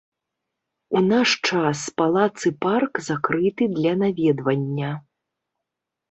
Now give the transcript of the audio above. У наш час палац і парк закрыты для наведвання.